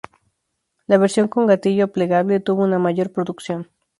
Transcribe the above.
La versión con gatillo plegable tuvo una mayor producción.